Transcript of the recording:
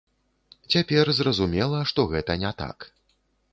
Цяпер зразумела, што гэта не так.